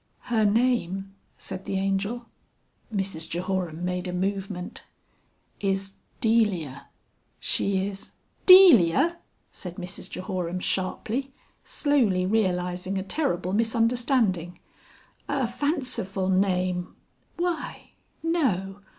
"Her name," said the Angel (Mrs Jehoram made a movement) "is Delia. She is...." "Delia!" said Mrs Jehoram sharply, slowly realising a terrible misunderstanding. "A fanciful name.... Why!... No!